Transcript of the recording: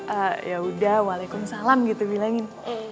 ah yaudah waalaikumsalam gitu bilangin